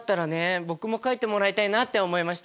僕も描いてもらいたいなって思いました。